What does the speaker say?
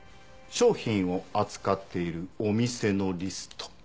商品を扱っているお店のリスト。